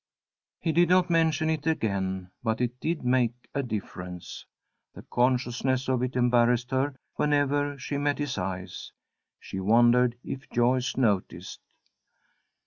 He did not mention it again, but it did make a difference. The consciousness of it embarrassed her whenever she met his eyes. She wondered if Joyce noticed.